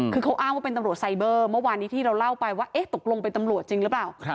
คือเขาอ้างว่าเป็นตำรวจไซเบอร์เมื่อวานนี้ที่เราเล่าไปว่าตกลงเป็นตำรวจจริงหรือเปล่า